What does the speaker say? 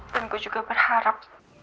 dan gue juga berharap